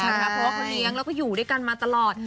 เพราะว่าเขาเลี้ยงแล้วก็อยู่ด้วยกันมาตลอด